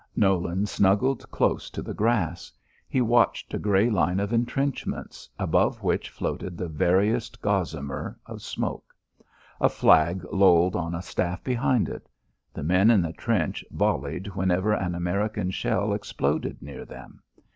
Nolan snuggled close to the grass. He watched a grey line of intrenchments, above which floated the veriest gossamer of smoke. A flag lolled on a staff behind it. The men in the trench volleyed whenever an American shell exploded near them.